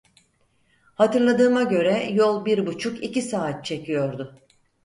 Hatırladığıma göre yol bir buçuk iki saat çekiyordu.